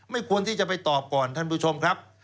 ควรที่จะไปตอบก่อนท่านผู้ชมครับ